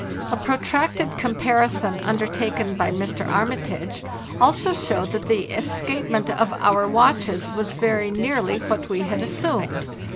A protracted comparison undertaken by Mr. Armitage also showed that the escapement of our watches was very nearly what we had assumed.